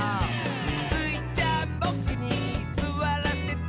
「スイちゃんボクにすわらせて？」